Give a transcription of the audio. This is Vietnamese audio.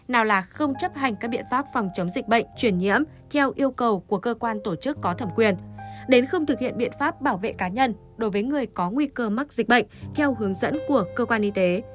nào là không chấp hành các biện pháp phòng chống dịch bệnh chuyển nhiễm theo yêu cầu của cơ quan tổ chức có thẩm quyền đến không thực hiện biện pháp bảo vệ cá nhân đối với người có nguy cơ mắc dịch bệnh theo hướng dẫn của cơ quan y tế